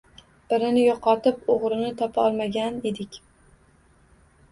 Birini yo‘qotib o‘g‘rini topa olmagan edik